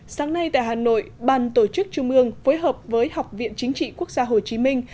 sáng nay tại hà nội ban tổ chức trung ương phối hợp với học viện chính trị quốc gia hồ chí minh